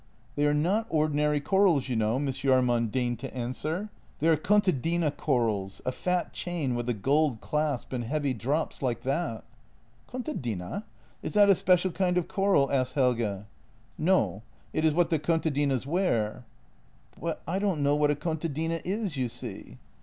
"They are not ordinary corals, you know," Miss Jahrman deigned to answer. " They are contadina corals, a fat chain with a gold clasp and heavy drops — like that." " Contadina — is that a special kind of coral ?" asked Helge. " No. It is what the contadinas wear." " But I don't know what a contadina is, you see."